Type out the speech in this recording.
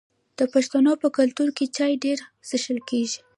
د پښتنو په کلتور کې چای ډیر څښل کیږي.